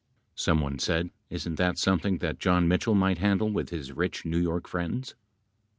Some one said, isn't that something that John Mitchell might handle with his rich New York friends.